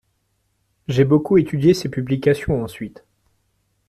J’ai beaucoup étudié ses publications ensuite.